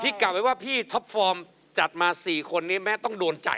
พี่กลับเลยว่าพี่ท็อปฟอร์มจัดมาสี่คนนี้แม้ว่าต้องโดนใจอะ